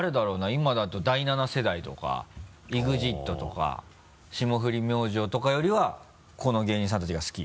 今だと第７世代とか。ＥＸＩＴとか霜降り明星とかよりはこの芸人さんたちが好き？